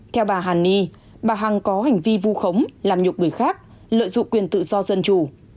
theo bà hàn ni bà hằng có hành vi vu khống làm nhục người khác lợi dụng quyền tự do dân chủ